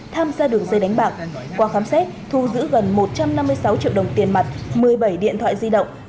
tham gia đường dây đánh bạc qua khám xét thu giữ gần một trăm năm mươi sáu triệu đồng tiền mặt một mươi bảy điện thoại di động